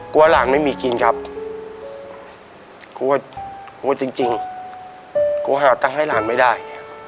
กลัวหลานไม่มีกินครับกลัวกลัวจริงกลัวหาตังค์ให้หลานไม่ได้